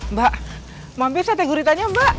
mbak mampir saya tegur ditanya mbak